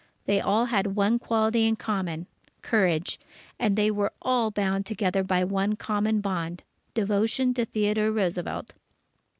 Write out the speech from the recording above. They all had one quality in common courage and they were all bound together by one common bond devotion to Theodore Roosevelt.